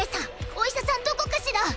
おいしゃさんどこかしら？